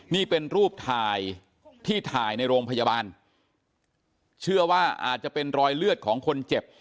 นี่เป็นรูปถ่ายที่ถ่ายในโรงพยาบาลเชื่อว่าอาจจะเป็นรอยเลือดของคนเจ็บ